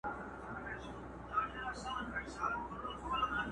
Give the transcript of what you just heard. o بجل نه وه، بجل ئې راوړه!